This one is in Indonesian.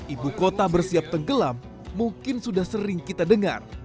ibu kota bersiap tenggelam mungkin sudah sering kita dengar